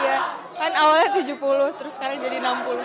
iya kan awalnya tujuh puluh terus sekarang jadi enam puluh